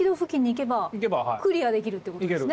クリアできるってことですね。